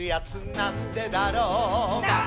なんでだろう！